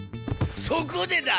そこでだ！